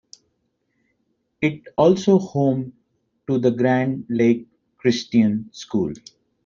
It is also home to the Grand Lake Christian School.